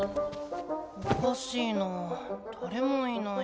おかしいなぁだれもいない。